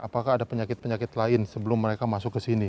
apakah ada penyakit penyakit lain sebelum mereka masuk ke sini